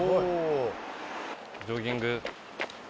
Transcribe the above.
ジョギング。